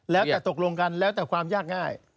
แล้วแต่ตกลงกันแล้วแต่ความยากง่าย